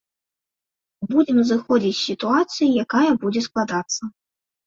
Будзем зыходзіць з сітуацыі, якая будзе складацца.